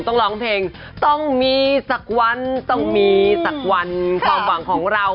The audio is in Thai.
ต้องร้องเพลงต้องมีสักวันต้องมีสักวันความหวังของเรา